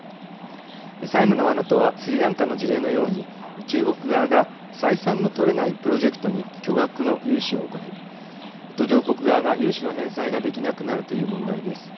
債務のワナとはスリランカの事例のように中国側が採算のとれないプロジェクトに巨額の融資を行い途上国側が融資の返済ができなくなるという問題です。